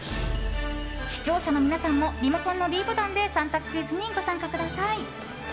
視聴者の皆さんもリモコンのｄボタンで３択クイズにご参加ください。